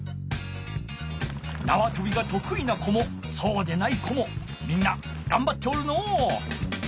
なわとびがとくいな子もそうでない子もみんながんばっておるのう。